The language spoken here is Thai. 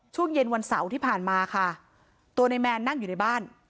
ช่วงเย็นวันเสาร์ที่ผ่านมาค่ะตัวในแมนนั่งอยู่ในบ้าน